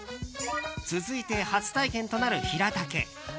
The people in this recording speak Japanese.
続いて、初体験となるヒラタケ。